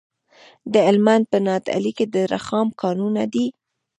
د هلمند په نادعلي کې د رخام کانونه دي.